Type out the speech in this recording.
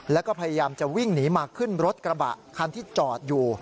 แล้วก็พยายามจะวิ่งหนีมาขึ้นรถกระบะคันที่จอดอยู่